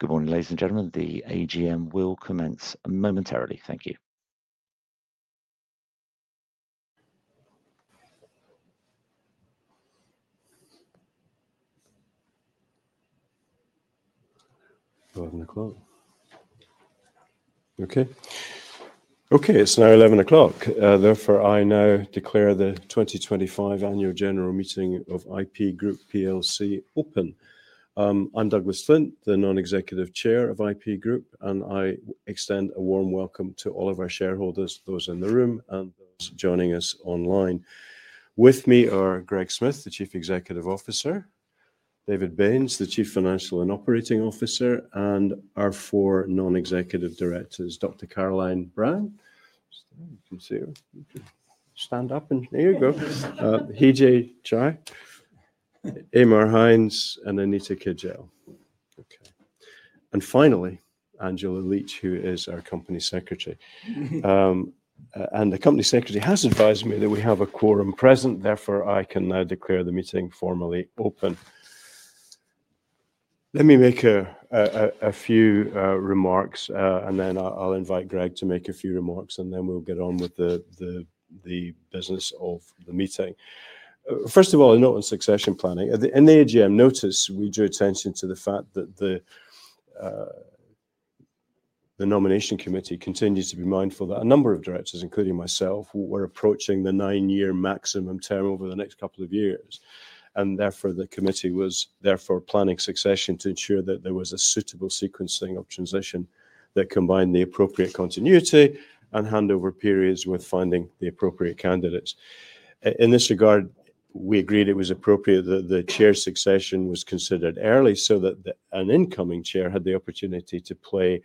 Good morning, ladies and gentlemen. The AGM will commence momentarily. Thank you. 11:00. Okay. Okay, it's now 11:00. Therefore, I now declare the 2025 Annual General Meeting of IP Group plc open. I'm Douglas Flint, the Non-Executive Chair of IP Group, and I extend a warm welcome to all of our shareholders, those in the room, and those joining us online. With me are Greg Smith, the Chief Executive Officer; David Baynes, the Chief Financial and Operating Officer; and our four Non-Executive Directors, Dr. Caroline Brown. You can see her. You can stand up, and there you go. Heejae Chae; Aedhmar Hynes; and Anita Kidgell. Okay. Finally, Angela Leach, who is our Company Secretary. The Company Secretary has advised me that we have a quorum present. Therefore, I can now declare the meeting formally open. Let me make a few remarks, and then I'll invite Greg to make a few remarks, and then we'll get on with the business of the meeting. First of all, a note on succession planning. In the AGM notice we drew attention to the fact that the Nomination Committee continues to be mindful that a number of directors, including myself, were approaching the nine-year maximum term over the next couple of years. Therefore, the committee was therefore planning succession to ensure that there was a suitable sequencing of transition that combined the appropriate continuity and handover periods with finding the appropriate candidates. In this regard, we agreed it was appropriate that the chair succession was considered early so that an incoming chair had the opportunity to play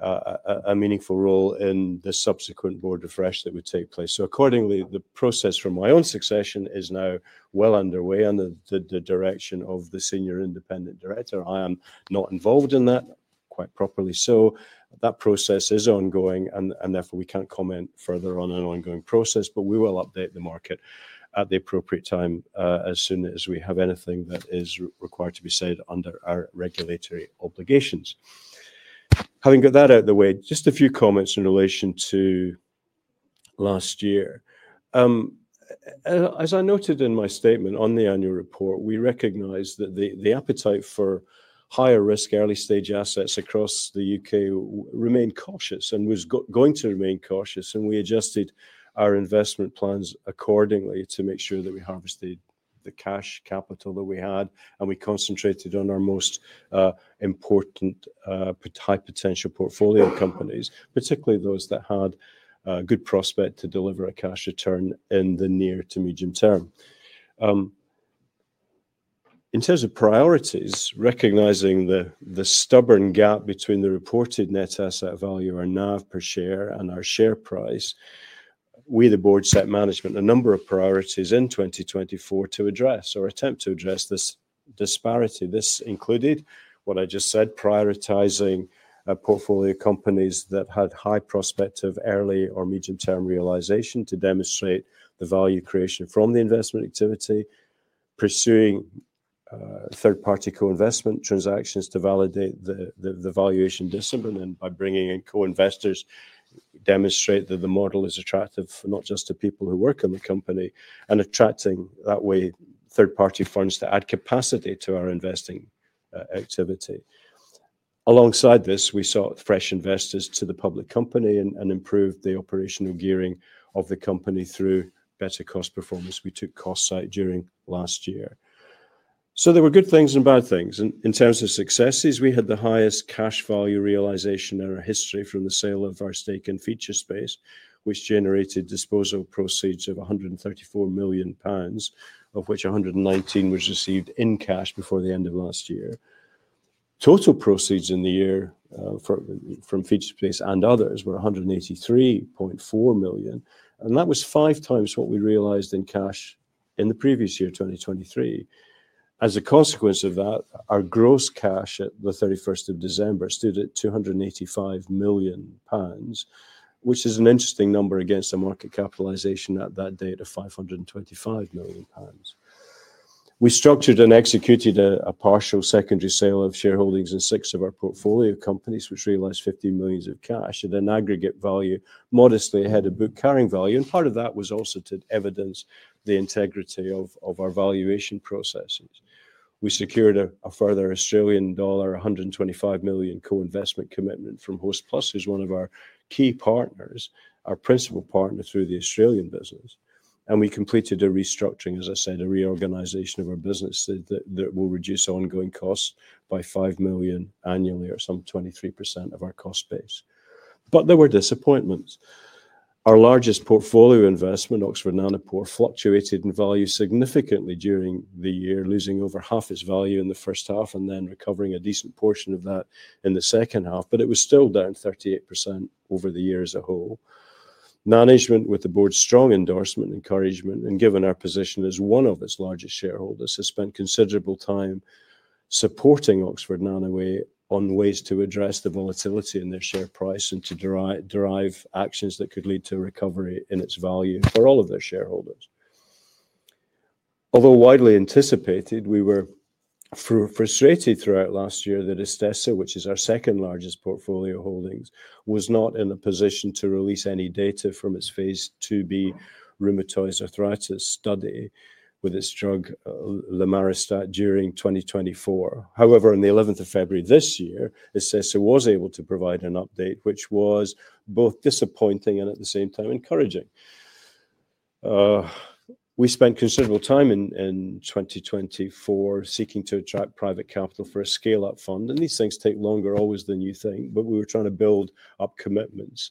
a meaningful role in the subsequent board refresh that would take place. Accordingly, the process for my own succession is now well underway under the direction of the Senior Independent Director. I am not involved in that quite properly, so that process is ongoing, and therefore we can't comment further on an ongoing process, but we will update the market at the appropriate time as soon as we have anything that is required to be said under our regulatory obligations. Having got that out of the way, just a few comments in relation to last year. As I noted in my statement on the Annual Report, we recognized that the appetite for higher-risk early-stage assets across the U.K. remained cautious and was going to remain cautious, and we adjusted our investment plans accordingly to make sure that we harvested the cash capital that we had, and we concentrated on our most important high-potential portfolio companies, particularly those that had a good prospect to deliver a cash return in the near to medium term. In terms of priorities, recognizing the stubborn gap between the reported net asset value, our NAV per share, and our share price, we, the board, set management a number of priorities in 2024 to address or attempt to address this disparity. This included what I just said, prioritizing portfolio companies that had high prospect of early or medium-term realization to demonstrate the value creation from the investment activity, pursuing third-party co-investment transactions to validate the valuation discipline and by bringing in co-investors, demonstrate that the model is attractive not just to people who work in the company, and attracting that way third-party funds to add capacity to our investing activity. Alongside this, we sought fresh investors to the public company and improved the operational gearing of the company through better cost performance. We took cost sight during last year. There were good things and bad things. In terms of successes, we had the highest cash value realization in our history from the sale of our stake in Featurespace, which generated disposal proceeds of 134 million pounds, of which 119 million was received in cash before the end of last year. Total proceeds in the year from Featurespace and others were 183.4 million, and that was five times what we realized in cash in the previous year, 2023. As a consequence of that, our gross cash at the 31st of December stood at 285 million pounds, which is an interesting number against a market capitalization at that date of 525 million pounds. We structured and executed a partial secondary sale of shareholdings in six of our portfolio companies, which realized 50 million of cash at an aggregate value modestly ahead of book carrying value, and part of that was also to evidence the integrity of our valuation processes. We secured a further Australian dollar 125 million co-investment commitment from Hostplus, who's one of our key partners, our principal partner through the Australian business, and we completed a restructuring, as I said, a reorganization of our business that will reduce ongoing costs by 5 million annually or some 23% of our cost base. There were disappointments. Our largest portfolio investment, Oxford Nanopore, fluctuated in value significantly during the year, losing over half its value in the first half and then recovering a decent portion of that in the second half, but it was still down 38% over the year as a whole. Management, with the board's strong endorsement and encouragement, and given our position as one of its largest shareholders, has spent considerable time supporting Oxford Nanopore on ways to address the volatility in their share price and to derive actions that could lead to recovery in its value for all of their shareholders. Although widely anticipated, we were frustrated throughout last year that Exscientia, which is our second largest portfolio holding, was not in a position to release any data from its phase II-B rheumatoid arthritis study with its drug Lemarostat during 2024. However, on the 11th of February this year, Exscientia was able to provide an update, which was both disappointing and at the same time encouraging. We spent considerable time in 2024 seeking to attract private capital for a scale-up fund, and these things take longer, always the new thing, but we were trying to build up commitments.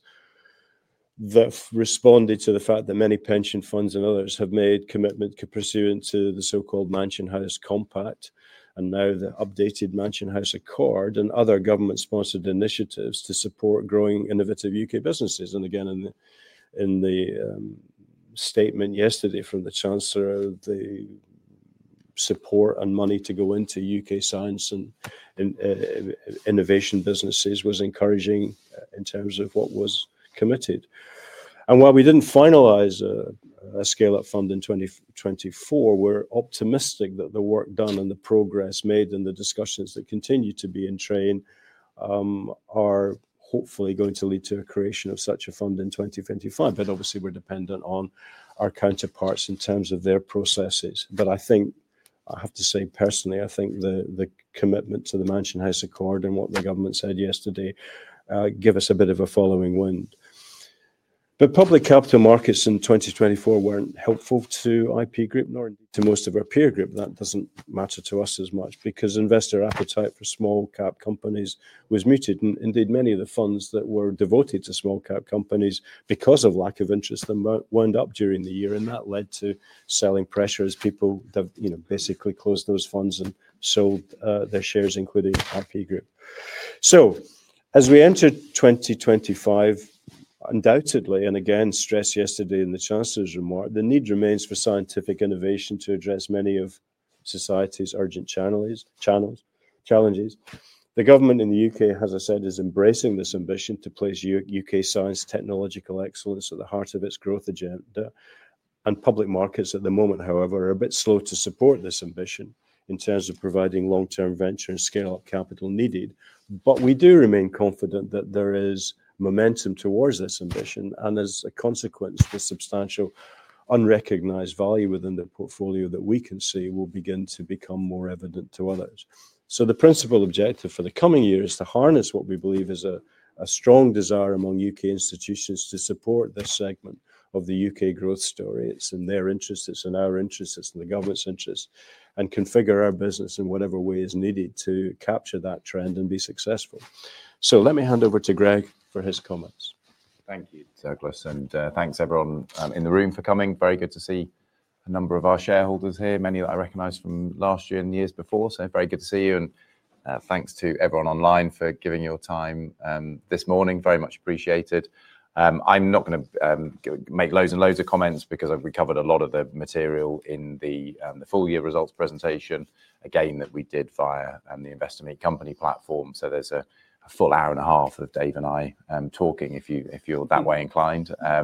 That responded to the fact that many pension funds and others have made commitment to pursuing the so-called Mansion House Compact and now the updated Mansion House Accord and other government-sponsored initiatives to support growing innovative U.K. businesses. Again, in the statement yesterday from the Chancellor, the support and money to go into U.K. science and innovation businesses was encouraging in terms of what was committed. While we did not finalize a scale-up fund in 2024, we are optimistic that the work done and the progress made and the discussions that continue to be in train are hopefully going to lead to a creation of such a fund in 2025. Obviously, we are dependent on our counterparts in terms of their processes. I think, I have to say personally, I think the commitment to the Mansion House Accord and what the government said yesterday gave us a bit of a following wind. Public capital markets in 2024 were not helpful to IP Group nor to most of our peer group. That does not matter to us as much because investor appetite for small-cap companies was muted. Indeed, many of the funds that were devoted to small-cap companies, because of lack of interest, then wound up during the year, and that led to selling pressure as people basically closed those funds and sold their shares, including IP Group. As we enter 2025, undoubtedly, and again, stressed yesterday in the Chancellor's remark, the need remains for scientific innovation to address many of society's urgent challenges. The government in the U.K., as I said, is embracing this ambition to place U.K. science technological excellence at the heart of its growth agenda. Public markets at the moment, however, are a bit slow to support this ambition in terms of providing long-term venture and scale-up capital needed. We do remain confident that there is momentum towards this ambition, and as a consequence, the substantial unrecognized value within the portfolio that we can see will begin to become more evident to others. The principal objective for the coming year is to harness what we believe is a strong desire among U.K. institutions to support this segment of the U.K. growth story. It's in their interest. It's in our interest. It's in the government's interest and configure our business in whatever way is needed to capture that trend and be successful. Let me hand over to Greg for his comments. Thank you, Douglas, and thanks everyone in the room for coming. Very good to see a number of our shareholders here, many that I recognized from last year and the years before. Very good to see you, and thanks to everyone online for giving your time this morning. Very much appreciated. I'm not going to make loads and loads of comments because I've covered a lot of the material in the full year results presentation, again, that we did via the Investor Meet Company platform. There is a full hour and a half of Dave and I talking if you're that way inclined. I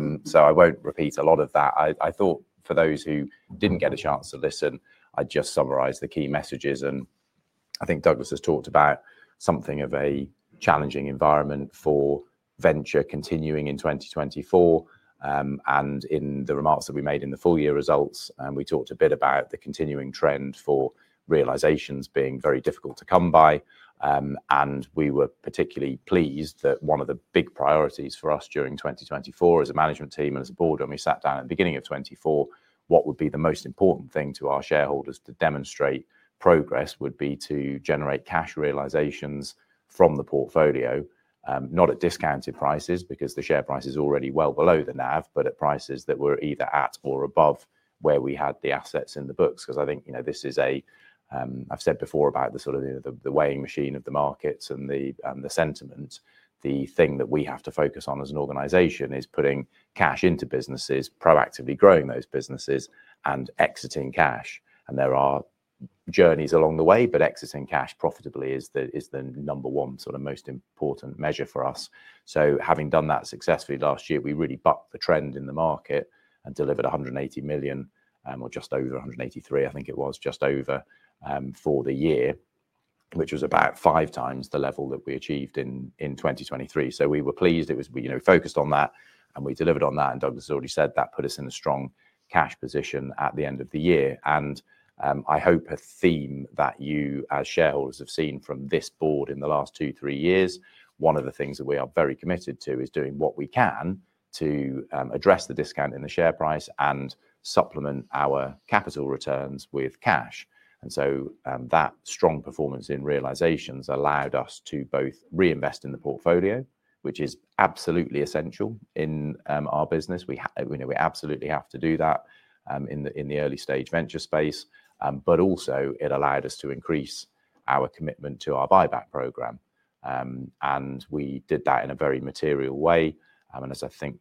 won't repeat a lot of that. I thought for those who didn't get a chance to listen, I'd just summarize the key messages. I think Douglas has talked about something of a challenging environment for venture continuing in 2024. In the remarks that we made in the full year results, we talked a bit about the continuing trend for realizations being very difficult to come by. We were particularly pleased that one of the big priorities for us during 2024 as a management team and as a board, when we sat down at the beginning of 2024, what would be the most important thing to our shareholders to demonstrate progress would be to generate cash realizations from the portfolio, not at discounted prices because the share price is already well below the NAV, but at prices that were either at or above where we had the assets in the books. Because I think this is a, I've said before about the sort of the weighing machine of the markets and the sentiment, the thing that we have to focus on as an organization is putting cash into businesses, proactively growing those businesses, and exiting cash. There are journeys along the way, but exiting cash profitably is the number one sort of most important measure for us. Having done that successfully last year, we really bucked the trend in the market and delivered 180 million or just over 183 million, I think it was, just over for the year, which was about five times the level that we achieved in 2023. We were pleased. It was focused on that, and we delivered on that. Douglas has already said that put us in a strong cash position at the end of the year. I hope a theme that you as shareholders have seen from this board in the last two, three years, one of the things that we are very committed to is doing what we can to address the discount in the share price and supplement our capital returns with cash. That strong performance in realizations allowed us to both reinvest in the portfolio, which is absolutely essential in our business. We absolutely have to do that in the early-stage venture space, but also it allowed us to increase our commitment to our buyback program. We did that in a very material way. As I think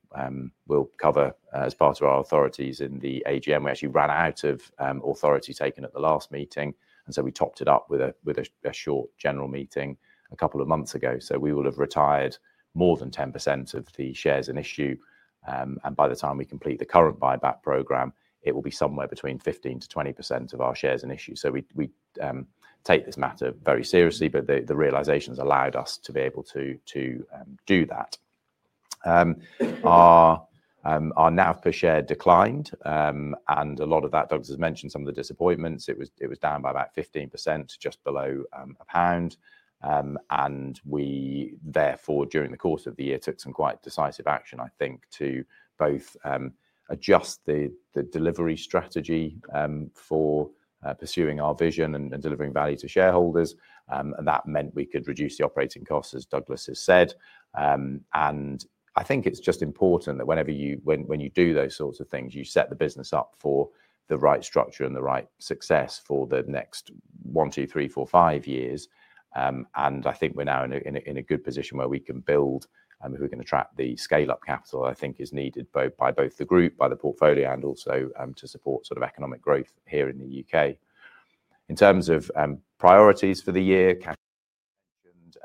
we'll cover as part of our authorities in the AGM, we actually ran out of authority taken at the last meeting. We topped it up with a short general meeting a couple of months ago. We will have retired more than 10% of the shares in issue. By the time we complete the current buyback program, it will be somewhere between 15%-20% of our shares in issue. We take this matter very seriously, but the realizations allowed us to be able to do that. Our NAV per share declined, and a lot of that, Douglas has mentioned, some of the disappointments. It was down by about 15%, just below GBP 1. During the course of the year, we took some quite decisive action, I think, to both adjust the delivery strategy for pursuing our vision and delivering value to shareholders. That meant we could reduce the operating costs, as Douglas has said. I think it's just important that whenever you do those sorts of things, you set the business up for the right structure and the right success for the next one, two, three, four, five years. I think we're now in a good position where we can build and we can attract the scale-up capital, I think, is needed by both the group, by the portfolio, and also to support sort of economic growth here in the U.K. In terms of priorities for the year,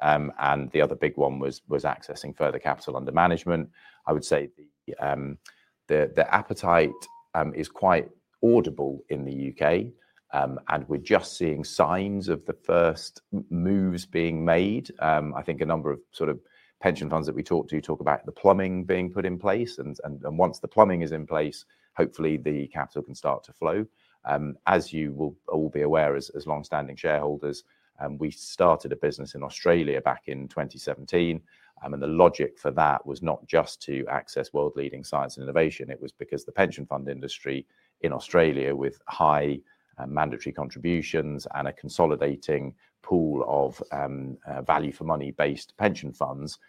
cash and the other big one was accessing further capital under management. I would say the appetite is quite audible in the U.K., and we're just seeing signs of the first moves being made. I think a number of sort of pension funds that we talk to talk about the plumbing being put in place. Once the plumbing is in place, hopefully the capital can start to flow. As you will all be aware as long-standing shareholders, we started a business in Australia back in 2017, and the logic for that was not just to access world-leading science and innovation. It was because the pension fund industry in Australia with high mandatory contributions and a consolidating pool of value-for-money-based pension funds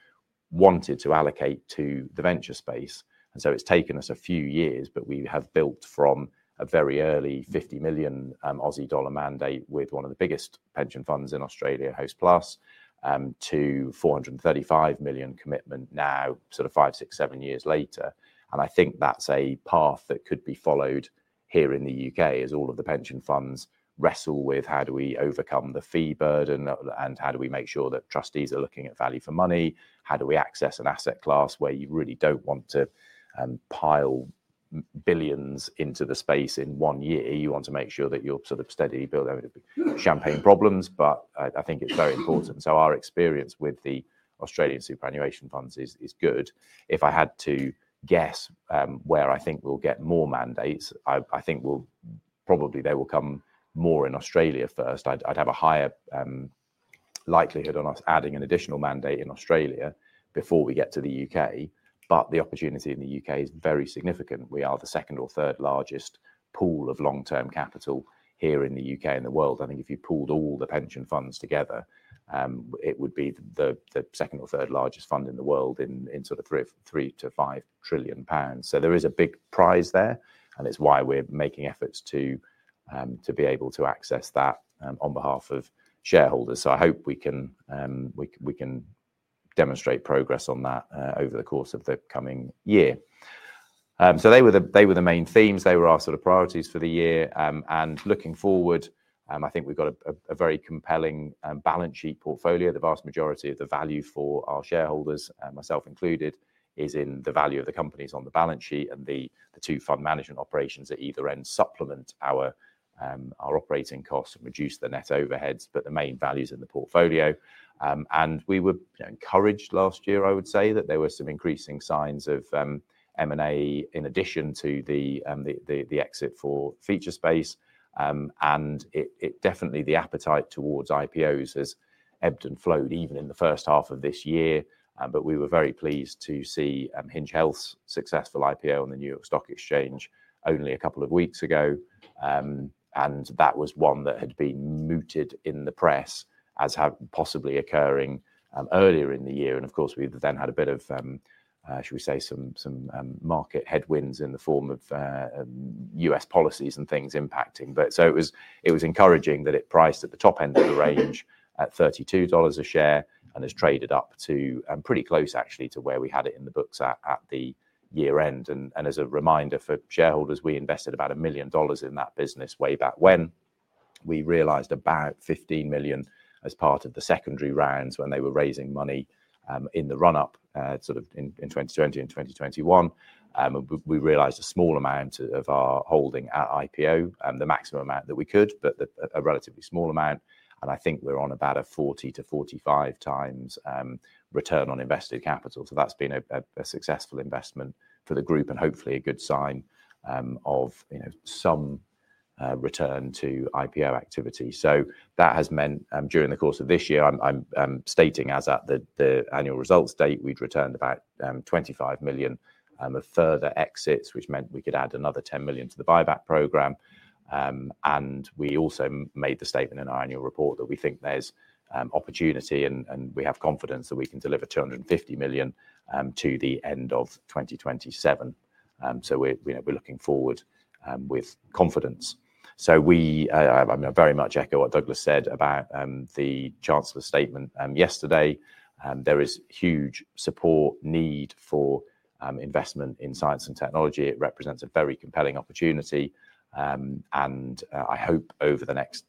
wanted to allocate to the venture space. It has taken us a few years, but we have built from a very early 50 million Aussie dollar mandate with one of the biggest pension funds in Australia, Hostplus, to an 435 million commitment now, sort of five, six, seven years later. I think that's a path that could be followed here in the U.K. as all of the pension funds wrestle with how do we overcome the fee burden and how do we make sure that trustees are looking at value for money, how do we access an asset class where you really don't want to pile billions into the space in one year. You want to make sure that you're sort of steadily building champagne problems, but I think it's very important. Our experience with the Australian superannuation funds is good. If I had to guess where I think we'll get more mandates, I think probably there will come more in Australia first. I'd have a higher likelihood on us adding an additional mandate in Australia before we get to the U.K. The opportunity in the U.K. is very significant. We are the second or third largest pool of long-term capital here in the U.K. and the world. I think if you pooled all the pension funds together, it would be the second or third largest fund in the world in sort of 3 trillion-5 trillion pounds. There is a big prize there, and it is why we are making efforts to be able to access that on behalf of shareholders. I hope we can demonstrate progress on that over the course of the coming year. They were the main themes. They were our sort of priorities for the year. Looking forward, I think we have got a very compelling balance sheet portfolio. The vast majority of the value for our shareholders, myself included, is in the value of the companies on the balance sheet, and the two fund management operations at either end supplement our operating costs and reduce the net overheads, but the main value is in the portfolio. We were encouraged last year, I would say, that there were some increasing signs of M&A in addition to the exit for Featurespace. Definitely the appetite towards IPOs has ebbed and flowed even in the first half of this year. We were very pleased to see Hinge Health's successful IPO on the New York Stock Exchange only a couple of weeks ago. That was one that had been mooted in the press as possibly occurring earlier in the year. Of course, we then had a bit of, shall we say, some market headwinds in the form of U.S. policies and things impacting. It was encouraging that it priced at the top end of the range at $32 a share and has traded up to pretty close, actually, to where we had it in the books at the year end. As a reminder for shareholders, we invested about $1 million in that business way back when we realized about $15 million as part of the secondary rounds when they were raising money in the run-up sort of in 2020 and 2021. We realized a small amount of our holding at IPO, the maximum amount that we could, but a relatively small amount. I think we're on about a 40-45 times return on invested capital. That's been a successful investment for the group and hopefully a good sign of some return to IPO activity. That has meant during the course of this year, I'm stating as at the annual results date, we'd returned about $25 million of further exits, which meant we could add another $10 million to the buyback program. We also made the statement in our annual report that we think there's opportunity and we have confidence that we can deliver $250 million to the end of 2027. We're looking forward with confidence. I very much echo what Douglas said about the Chancellor's statement yesterday. There is huge support need for investment in science and technology. It represents a very compelling opportunity. I hope over the next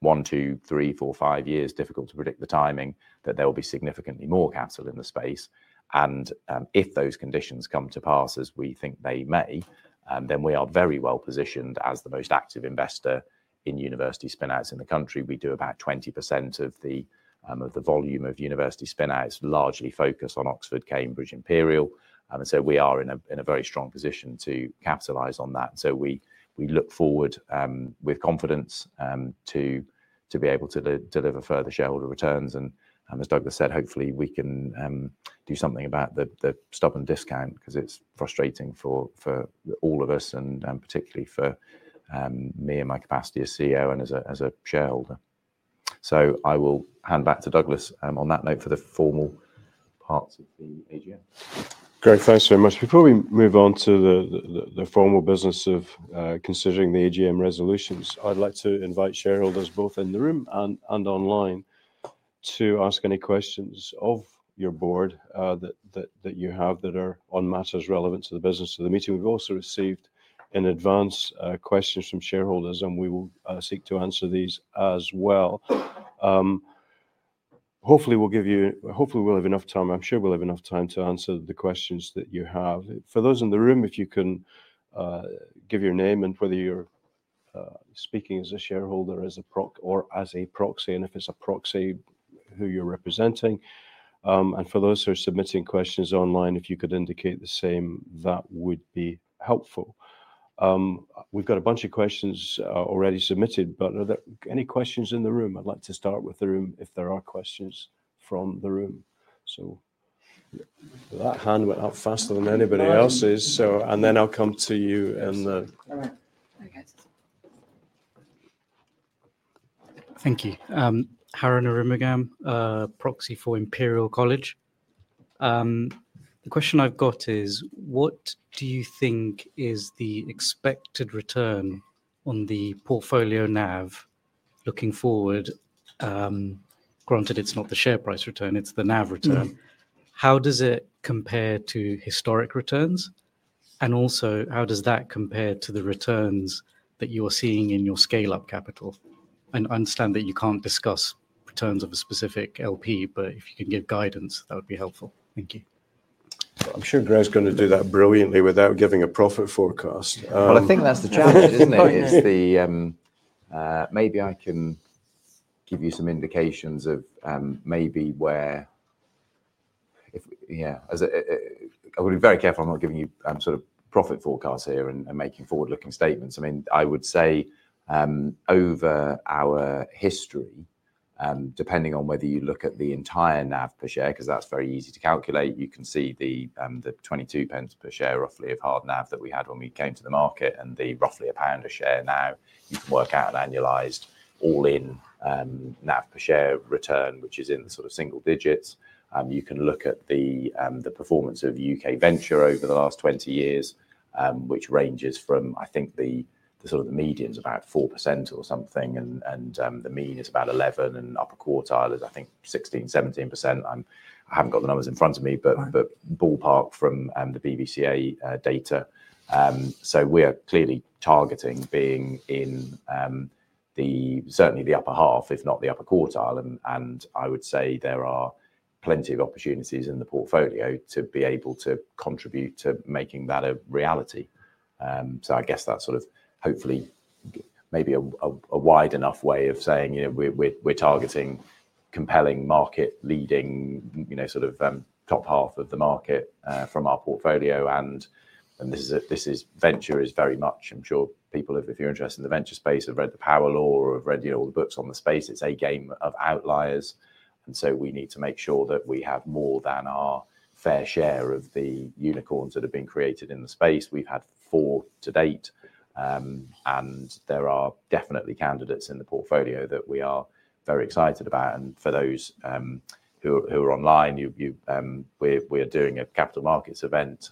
one, two, three, four, five years, difficult to predict the timing, that there will be significantly more capital in the space. If those conditions come to pass, as we think they may, then we are very well positioned as the most active investor in university spinouts in the country. We do about 20% of the volume of university spinouts, largely focused on Oxford, Cambridge, Imperial. We are in a very strong position to capitalize on that. We look forward with confidence to be able to deliver further shareholder returns. As Douglas said, hopefully we can do something about the stubborn discount because it's frustrating for all of us and particularly for me in my capacity as CEO and as a shareholder. I will hand back to Douglas on that note for the formal parts of the AGM. Greg, thanks very much. Before we move on to the formal business of considering the AGM resolutions, I'd like to invite shareholders both in the room and online to ask any questions of your board that you have that are on matters relevant to the business of the meeting. We've also received in advance questions from shareholders, and we will seek to answer these as well. Hopefully, we'll have enough time. I'm sure we'll have enough time to answer the questions that you have. For those in the room, if you can give your name and whether you're speaking as a shareholder, as a proxy, and if it's a proxy, who you're representing. For those who are submitting questions online, if you could indicate the same, that would be helpful. We've got a bunch of questions already submitted, but are there any questions in the room? I'd like to start with the room if there are questions from the room. That hand went up faster than anybody else's. I'll come to you in the. Thank you. Harun Ahron-Adam, proxy for Imperial College. The question I've got is, what do you think is the expected return on the portfolio NAV looking forward? Granted, it's not the share price return, it's the NAV return. How does it compare to historic returns? Also, how does that compare to the returns that you are seeing in your scale-up capital? I understand that you can't discuss returns of a specific LP, but if you can give guidance, that would be helpful. Thank you. I'm sure Greg's going to do that brilliantly without giving a profit forecast. I think that's the challenge, isn't it? Maybe I can give you some indications of maybe where I would be. Very careful, I'm not giving you sort of profit forecasts here and making forward-looking statements. I mean, I would say over our history, depending on whether you look at the entire NAV per share, because that's very easy to calculate, you can see the 0.22 per share roughly of hard NAV that we had when we came to the market and the roughly GBP 1 a share now. You can work out an annualized all-in NAV per share return, which is in the sort of single digits. You can look at the performance of U.K. venture over the last 20 years, which ranges from, I think, the sort of the median's about 4% or something, and the mean is about 11%, and upper quartile is, I think, 16%, 17%. I haven't got the numbers in front of me, but ballpark from the BBCA data. We are clearly targeting being in certainly the upper half, if not the upper quartile. I would say there are plenty of opportunities in the portfolio to be able to contribute to making that a reality. I guess that's sort of hopefully maybe a wide enough way of saying we're targeting compelling market-leading sort of top half of the market from our portfolio. This venture is very much, I'm sure people have, if you're interested in the venture space, have read the power law or have read all the books on the space. It's a game of outliers. We need to make sure that we have more than our fair share of the unicorns that have been created in the space. We've had four to date. There are definitely candidates in the portfolio that we are very excited about. For those who are online, we are doing a Capital Markets Event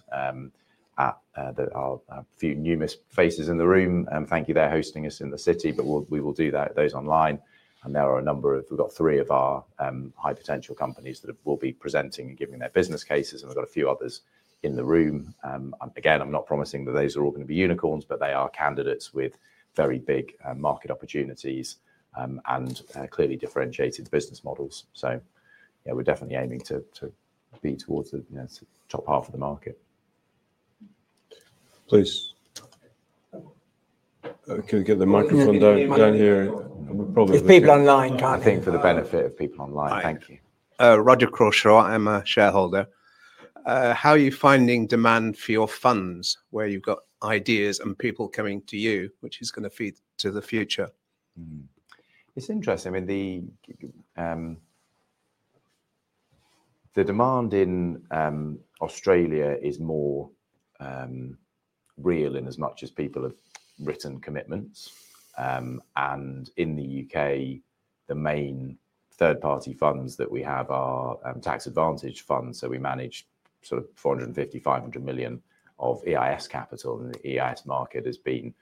at our few numerous faces in the room. Thank you, they are hosting us in the city, but we will do that at those online. There are a number of we've got three of our high potential companies that will be presenting and giving their business cases. We've got a few others in the room. Again, I'm not promising that those are all going to be unicorns, but they are candidates with very big market opportunities and clearly differentiated business models. We are definitely aiming to be towards the top half of the market. Please. Can you get the microphone down here? If people online, can't you? I think for the benefit of people online, thank you. How are you finding demand for your funds where you've got ideas and people coming to you, which is going to feed to the future? It's interesting. I mean, the demand in Australia is more real in as much as people have written commitments. In the U.K., the main third-party funds that we have are tax-advantaged funds. We manage sort of 450 million-500 million of EIS capital. The EIS market has been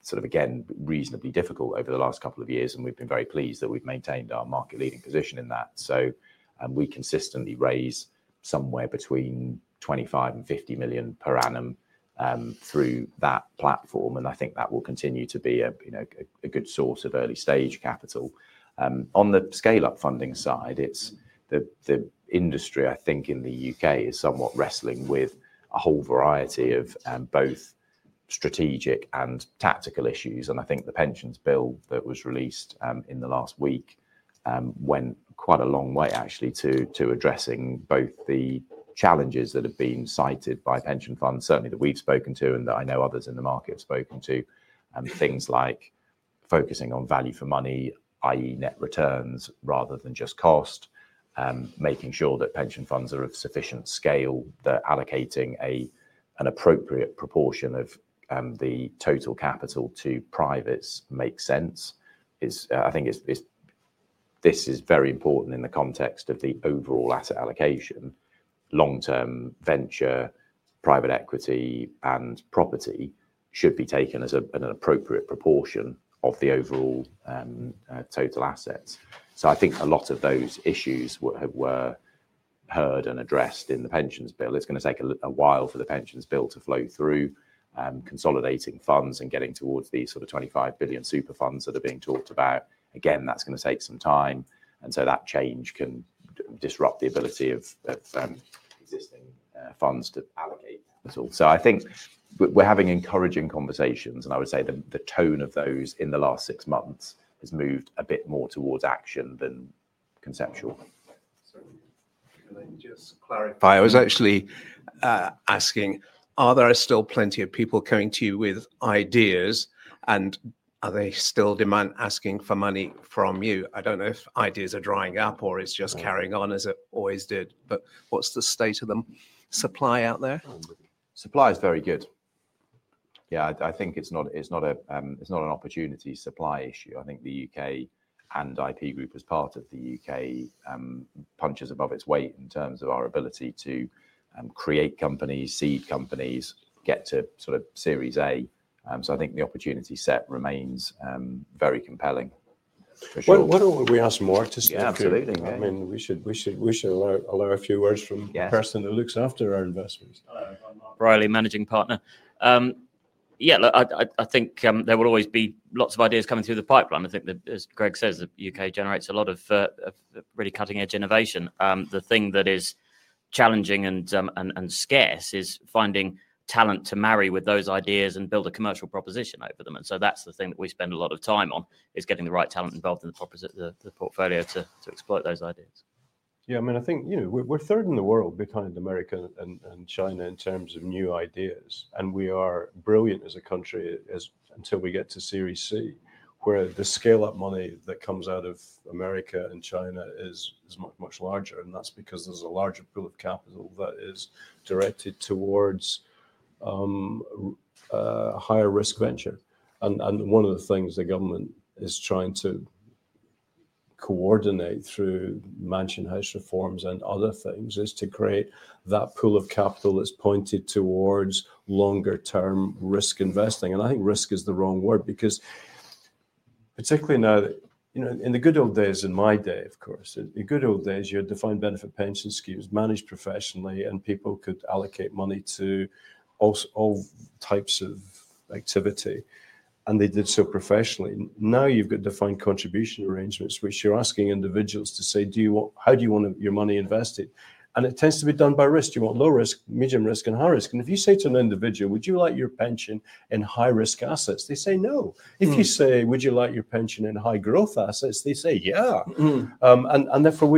sort of, again, reasonably difficult over the last couple of years. We've been very pleased that we've maintained our market-leading position in that. We consistently raise somewhere between 25 million and 50 million per annum through that platform. I think that will continue to be a good source of early-stage capital. On the scale-up funding side, the industry, I think, in the U.K. is somewhat wrestling with a whole variety of both strategic and tactical issues. I think the pensions bill that was released in the last week went quite a long way, actually, to addressing both the challenges that have been cited by pension funds, certainly that we've spoken to and that I know others in the market have spoken to, things like focusing on value for money, i.e., net returns rather than just cost, making sure that pension funds are of sufficient scale, that allocating an appropriate proportion of the total capital to privates makes sense. I think this is very important in the context of the overall asset allocation. Long-term venture, private equity, and property should be taken as an appropriate proportion of the overall total assets. I think a lot of those issues were heard and addressed in the pensions bill. It's going to take a while for the pensions bill to flow through, consolidating funds and getting towards these sort of 25 billion super funds that are being talked about. Again, that's going to take some time. That change can disrupt the ability of existing funds to allocate at all. I think we're having encouraging conversations. I would say the tone of those in the last six months has moved a bit more towards action than conceptual. I was actually asking, are there still plenty of people coming to you with ideas, and are they still demand asking for money from you? I do not know if ideas are drying up or it is just carrying on as it always did, but what is the state of the supply out there? Supply is very good. Yeah, I think it's not an opportunity supply issue. I think the U.K. and IP Group as part of the U.K. punches above its weight in terms of our ability to create companies, seed companies, get to sort of Series A. I think the opportunity set remains very compelling. Why don't we ask Mark to speak? Absolutely. I mean, we should allow a few words from a person who looks after our investments. Reilly, Managing Partner. Yeah, look, I think there will always be lots of ideas coming through the pipeline. I think, as Greg says, the U.K. generates a lot of really cutting-edge innovation. The thing that is challenging and scarce is finding talent to marry with those ideas and build a commercial proposition over them. That is the thing that we spend a lot of time on, is getting the right talent involved in the portfolio to exploit those ideas. Yeah, I mean, I think we're third in the world behind America and China in terms of new ideas. We are brilliant as a country until we get to Series C, where the scale-up money that comes out of America and China is much, much larger. That is because there's a larger pool of capital that is directed towards a higher-risk venture. One of the things the government is trying to coordinate through Mansion House reforms and other things is to create that pool of capital that's pointed towards longer-term risk investing. I think risk is the wrong word because particularly now, in the good old days, in my day, of course, in good old days, you had defined benefit pension schemes managed professionally, and people could allocate money to all types of activity. They did so professionally. Now you've got defined contribution arrangements, which you're asking individuals to say, "How do you want your money invested?" It tends to be done by risk. You want low risk, medium risk, and high risk. If you say to an individual, "Would you like your pension in high-risk assets?" they say, "No." If you say, "Would you like your pension in high-growth assets?" they say, "Yeah." Therefore,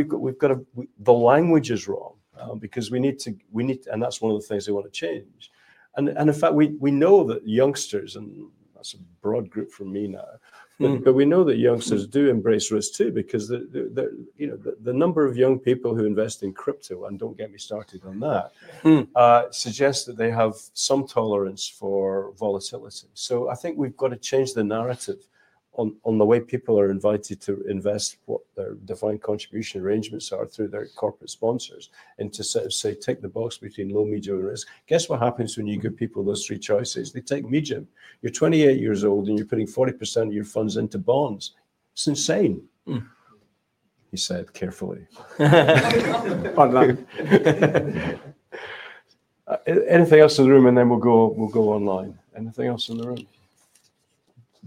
the language is wrong because we need to, and that's one of the things they want to change. In fact, we know that youngsters, and that's a broad group for me now, but we know that youngsters do embrace risk too because the number of young people who invest in crypto, and don't get me started on that, suggests that they have some tolerance for volatility. I think we've got to change the narrative on the way people are invited to invest, what their defined contribution arrangements are through their corporate sponsors, and to sort of say, "Take the box between low, medium, and risk." Guess what happens when you give people those three choices? They take medium. You're 28 years old, and you're putting 40% of your funds into bonds. It's insane. He said carefully. Anything else in the room, and then we'll go online. Anything else in the room?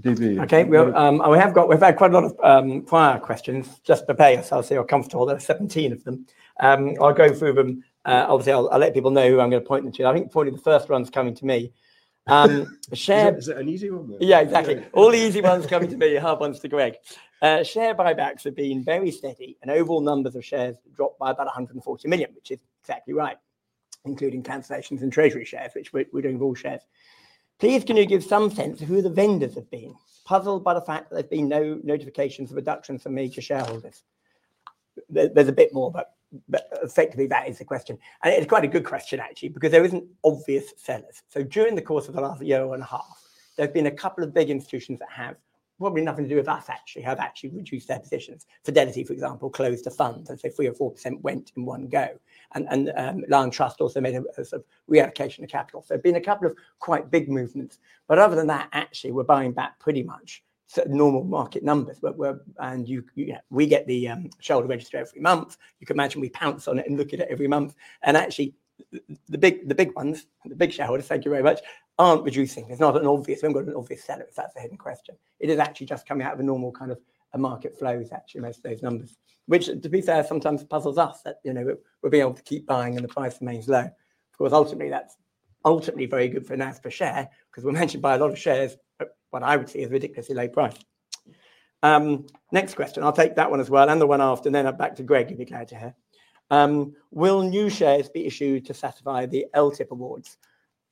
DB. Okay. We've had quite a lot of prior questions just to pay us. I'll say you're comfortable. There are 17 of them. I'll go through them. Obviously, I'll let people know who I'm going to point them to. I think probably the first one's coming to me. Is it an easy one? Yeah, exactly. All the easy ones come to me. Half ones to Greg. Share buybacks have been very steady. And overall numbers of shares dropped by about 140 million, which is exactly right, including translations and treasury shares, which we're doing with all shares. Please, can you give some sense of who the vendors have been? Puzzled by the fact that there have been no notifications of reductions for major shareholders. There's a bit more, but effectively, that is the question. And it's quite a good question, actually, because there isn't obvious sellers. So during the course of the last year and a half, there have been a couple of big institutions that have probably nothing to do with us, actually, have actually reduced their positions. Fidelity, for example, closed the funds. I'd say 3% or 4% went in one go. Liontrust also made a reallocation of capital. There have been a couple of quite big movements. Other than that, actually, we're buying back pretty much normal market numbers. We get the shareholder register every month. You can imagine we pounce on it and look at it every month. Actually, the big ones, the big shareholders, thank you very much, aren't reducing. There's not an obvious, we haven't got an obvious seller. That's a hidden question. It is actually just coming out of a normal kind of market flows, actually, most of those numbers, which, to be fair, sometimes puzzles us that we're being able to keep buying and the price remains low. Of course, ultimately, that's ultimately very good for NAV per share because we're managed by a lot of shares at what I would see as ridiculously low price. Next question. I'll take that one as well and the one after. Then I'm back to Greg, if you'd be glad to hear. Will new shares be issued to satisfy the LTIP awards?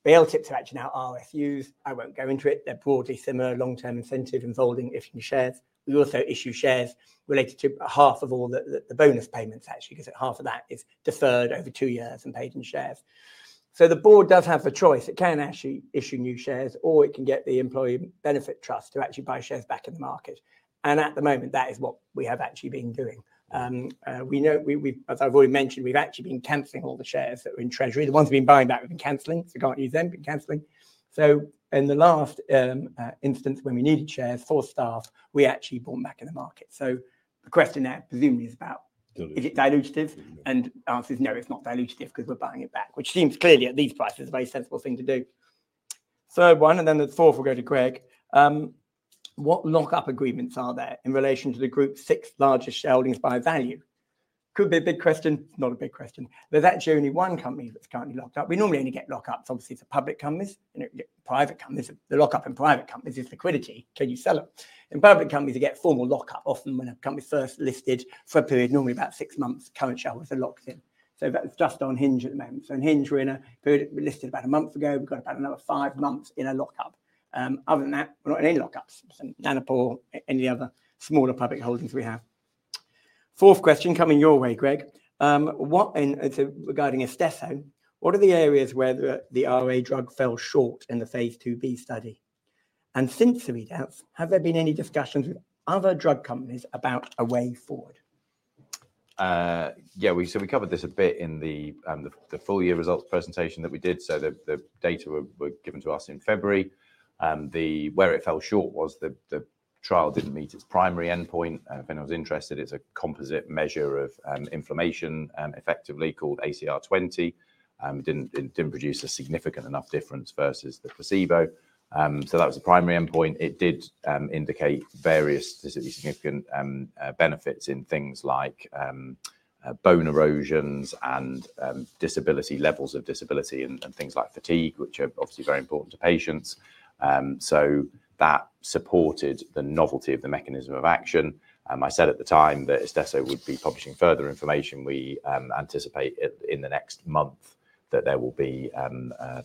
The LTIPs are actually now RSUs. I won't go into it. They're broadly similar long-term incentive involving issuing shares. We also issue shares related to half of all the bonus payments, actually, because half of that is deferred over two years and paid in shares. The board does have the choice. It can actually issue new shares, or it can get the Employee Benefit Trust to actually buy shares back in the market. At the moment, that is what we have actually been doing. As I've already mentioned, we've actually been canceling all the shares that were in treasury. The ones we've been buying back, we've been canceling. We can't use them. We've been canceling. In the last instance when we needed shares for staff, we actually bought them back in the market. The question now presumably is about, is it dilutive? The answer is no, it's not dilutive because we're buying it back, which seems clearly at these prices a very sensible thing to do. One, and then the fourth will go to Greg. What lockup agreements are there in relation to the group's six largest shareholdings by value? Could be a big question. Not a big question. There's actually only one company that's currently locked up. We normally only get lockups, obviously, for public companies. Private companies, the lockup in private companies is liquidity. Can you sell them? In public companies, you get formal lockup. Often when a company is first listed for a period, normally about six months, current shareholders are locked in. That's just on Hinge at the moment. On Hinge, we're in a period. We listed about a month ago. We've got about another five months in a lockup. Other than that, we're not in any lockups. Nanopore, any of the other smaller public holdings we have. Fourth question coming your way, Greg. Regarding Exscientia, what are the areas where the RA drug fell short in the phase II-B study? And since the readouts, have there been any discussions with other drug companies about a way forward? Yeah, so we covered this a bit in the full year results presentation that we did. The data were given to us in February. Where it fell short was the trial did not meet its primary endpoint. If anyone is interested, it is a composite measure of inflammation, effectively called ACR20. It did not produce a significant enough difference versus the placebo. That was the primary endpoint. It did indicate various specifically significant benefits in things like bone erosions and levels of disability and things like fatigue, which are obviously very important to patients. That supported the novelty of the mechanism of action. I said at the time that Exscientia would be publishing further information. We anticipate in the next month that there will be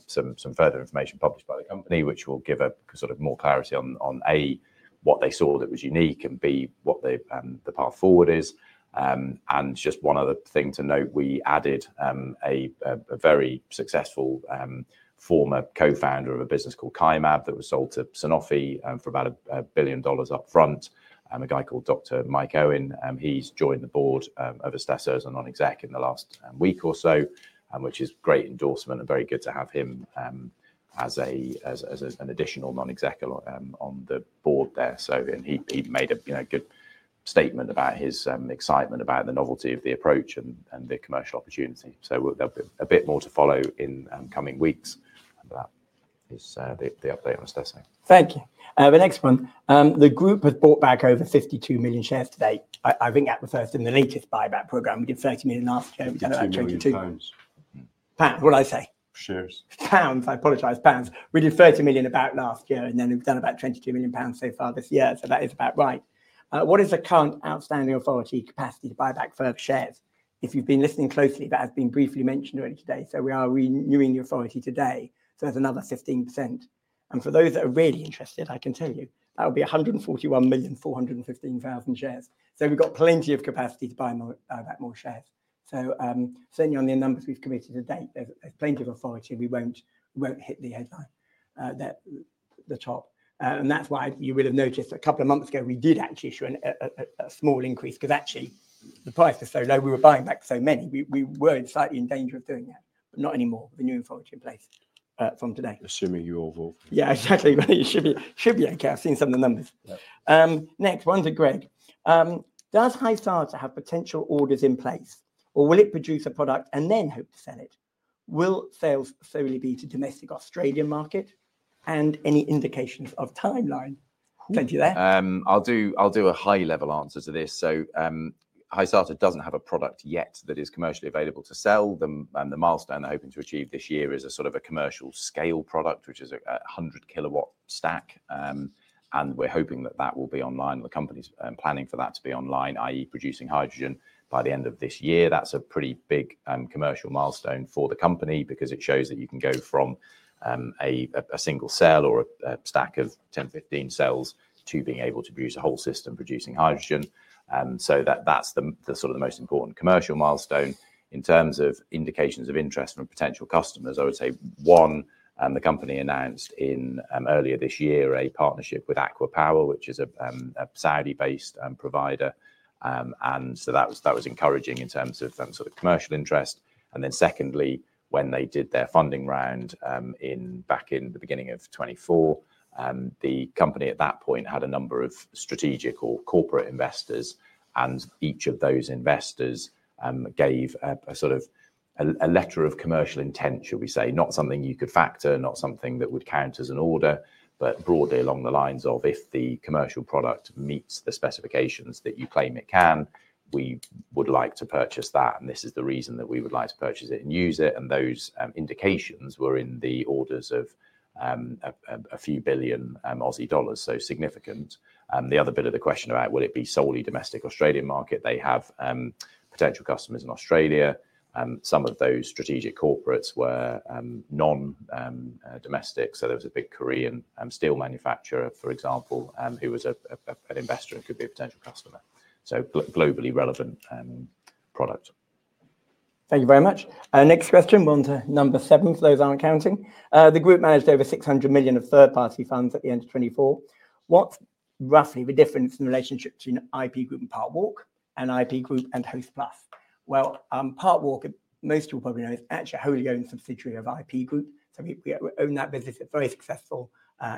some further information published by the company, which will give a sort of more clarity on, A, what they saw that was unique and, B, what the path forward is. Just one other thing to note, we added a very successful former co-founder of a business called Kymab that was sold to Sanofi for about $1 billion upfront, a guy called Dr. Mike Owen. He's joined the board of Exscientia as a non-exec in the last week or so, which is great endorsement and very good to have him as an additional non-exec on the board there. He made a good statement about his excitement about the novelty of the approach and the commercial opportunity. There will be a bit more to follow in coming weeks. That is the update on Exscientia. Thank you. The next one. The group has bought back over 52 million shares to date. I think that refers to the latest buyback program. We did 30 million last year. We did about 22. Pounds. Pounds? What did I say? Shares. Pounds, I apologize. Pounds. We did 30 million about last year, and then we've done about 22 million pounds so far this year. That is about right. What is the current outstanding authority capacity to buy back further shares? If you've been listening closely, that has been briefly mentioned earlier today. We are renewing the authority today. That is another 15%. For those that are really interested, I can tell you that will be 141,415,000 shares. We've got plenty of capacity to buy back more shares. Certainly on the numbers we've committed to date, there's plenty of authority. We will not hit the headline, the top. That is why you would have noticed a couple of months ago, we did actually issue a small increase because actually the price was so low, we were buying back so many. We were slightly in danger of doing that, but not anymore with the new authority in place from today. Assuming you all will. Yeah, exactly. It should be okay. I've seen some of the numbers. Next one to Greg. Does HyStarter have potential orders in place, or will it produce a product and then hope to sell it? Will sales solely be to domestic Australian market? Any indications of timeline? Thank you there. I'll do a high-level answer to this. HyStarter doesn't have a product yet that is commercially available to sell. The milestone they're hoping to achieve this year is a sort of a commercial scale product, which is a 100-kW stack. We're hoping that that will be online. The company's planning for that to be online, i.e., producing hydrogen by the end of this year. That's a pretty big commercial milestone for the company because it shows that you can go from a single cell or a stack of 10, 15 cells to being able to produce a whole system producing hydrogen. That's sort of the most important commercial milestone. In terms of indications of interest from potential customers, I would say one, the company announced earlier this year a partnership with ACWA Power, which is a Saudi-based provider. That was encouraging in terms of sort of commercial interest. Secondly, when they did their funding round back in the beginning of 2024, the company at that point had a number of strategic or corporate investors. Each of those investors gave a sort of a letter of commercial intent, shall we say, not something you could factor, not something that would count as an order, but broadly along the lines of, "If the commercial product meets the specifications that you claim it can, we would like to purchase that, and this is the reason that we would like to purchase it and use it." Those indications were in the orders of a few billion AUD, so significant. The other bit of the question about, "Will it be solely domestic Australian market?" They have potential customers in Australia. Some of those strategic corporates were non-domestic. There was a big Korean steel manufacturer, for example, who was an investor and could be a potential customer. Globally relevant product. Thank you very much. Next question, number seven for those who aren't counting. The group managed over 600 million of third-party funds at the end of 2024. What's roughly the difference in the relationship between IP Group and Parkwalk and IP Group and Hostplus? Parkwalk, most of you will probably know, is actually a wholly owned subsidiary of IP Group. We own that business. It's a very successful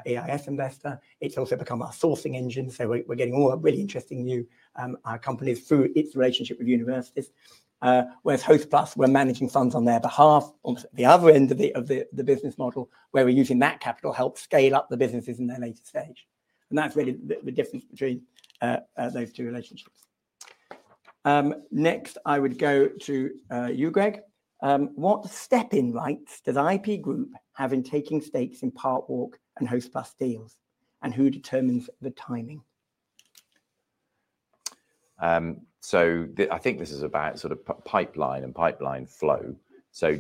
EIS investor. It's also become our sourcing engine. We're getting all our really interesting new companies through its relationship with universities. Hostplus, we're managing funds on their behalf on the other end of the business model where we're using that capital to help scale up the businesses in their later stage. That's really the difference between those two relationships. Next, I would go to you, Greg. What step-in rights does IP Group have in taking stakes in Parkwalk and Hostplus deals, and who determines the timing? I think this is about sort of pipeline and pipeline flow.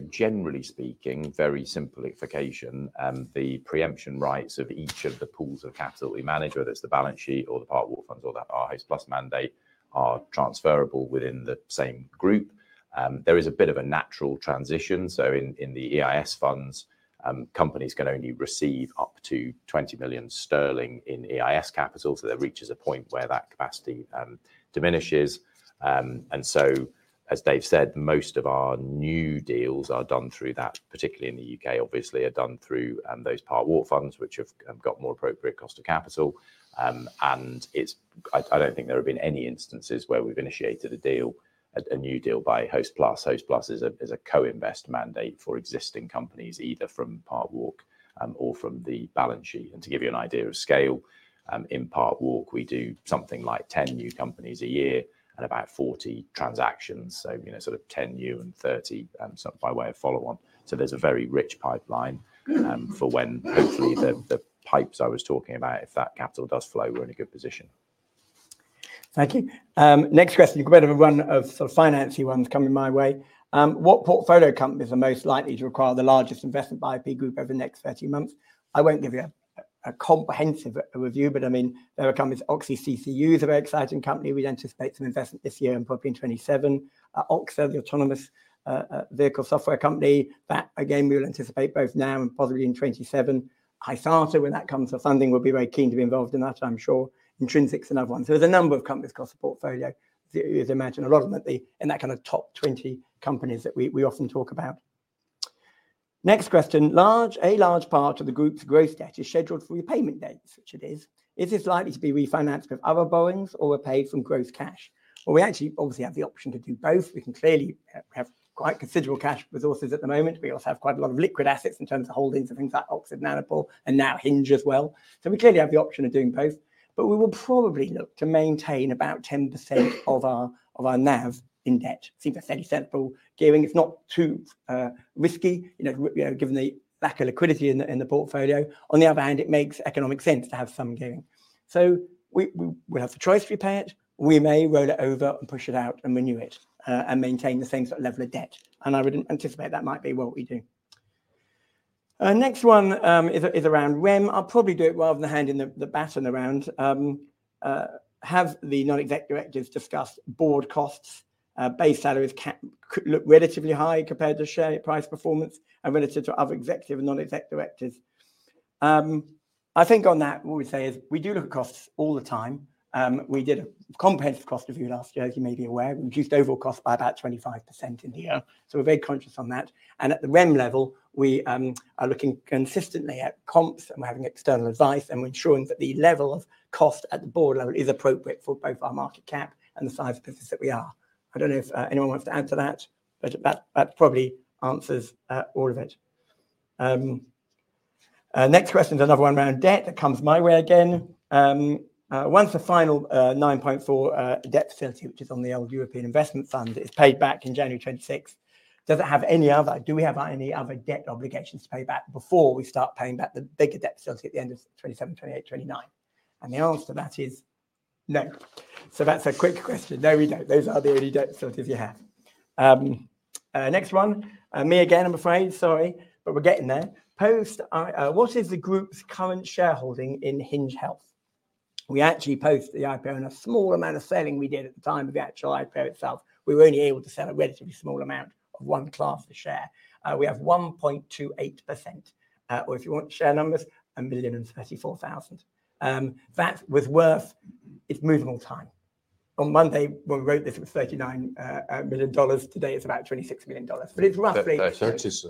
Generally speaking, very simplification, the preemption rights of each of the pools of capital we manage, whether it's the balance sheet or the Parkwalk funds or the Hostplus mandate, are transferable within the same group. There is a bit of a natural transition. In the EIS funds, companies can only receive up to 20 million sterling in EIS capital. That reaches a point where that capacity diminishes. As Dave said, most of our new deals are done through that, particularly in the U.K., obviously, are done through those Park Walk funds, which have got more appropriate cost of capital. I don't think there have been any instances where we've initiated a new deal by Hostplus. Hostplus is a co-invest mandate for existing companies, either from Parkwalk or from the balance sheet. To give you an idea of scale, in Parkwalk, we do something like 10 new companies a year and about 40 transactions. Sort of 10 new and 30 by way of follow-on. There is a very rich pipeline for when hopefully the pipes I was talking about, if that capital does flow, we are in a good position. Thank you. Next question. You've got a bit of a run of sort of financially ones coming my way. What portfolio companies are most likely to require the largest investment by IP Group over the next 30 months? I won't give you a comprehensive review, but I mean, there are companies like OXCCU that are very exciting companies. We anticipate some investment this year and probably in 2027. Oxa, the autonomous vehicle software company, that again, we will anticipate both now and possibly in 2027. HyStarter, when that comes for funding, will be very keen to be involved in that, I'm sure. Intrinsics and other ones. There's a number of companies across the portfolio. You'd imagine a lot of them in that kind of top 20 companies that we often talk about. Next question. A large part of the group's growth debt is scheduled for repayment dates, which it is. Is this likely to be refinanced with other borrowings or repaid from gross cash? We actually obviously have the option to do both. We can clearly have quite considerable cash resources at the moment. We also have quite a lot of liquid assets in terms of holdings of things like Oxa and Nanopore and now Hinge as well. We clearly have the option of doing both. We will probably look to maintain about 10% of our NAV in debt. Seems like fairly sensible gearing. It's not too risky given the lack of liquidity in the portfolio. On the other hand, it makes economic sense to have some gearing. We will have the choice to repay it. We may roll it over and push it out and renew it and maintain the same sort of level of debt. I would anticipate that might be what we do. Next one is around REM. I'll probably do it rather than handing the baton around. Have the non-executive directors discussed board costs? Base salaries look relatively high compared to share price performance and relative to other executive and non-executive directors. I think on that, what we say is we do look at costs all the time. We did a comprehensive cost review last year, as you may be aware. We reduced overall costs by about 25% in the year. We are very conscious on that. At the REM level, we are looking consistently at comps and we're having external advice and we're ensuring that the level of cost at the board level is appropriate for both our market cap and the size of the business that we are. I don't know if anyone wants to add to that, but that probably answers all of it. Next question is another one around debt that comes my way again. Once the final 9.4 million debt facility, which is on the old European Investment Fund, is paid back in January 2026, does it have any other? Do we have any other debt obligations to pay back before we start paying back the bigger debt facility at the end of 2027, 2028, 2029? The answer to that is no. That's a quick question. No, we don't. Those are the only debt facilities we have. Next one. Me again, I'm afraid. Sorry, but we're getting there. Post, what is the group's current shareholding in Hinge Health? We actually post the IPO in a small amount of selling we did at the time of the actual IPO itself. We were only able to sell a relatively small amount of one class of share. We have 1.28%. Or if you want share numbers, 1,034,000. That was worth its movable time. On Monday, when we wrote this, it was $39 million. Today, it's about $26 million. But it's roughly. 36.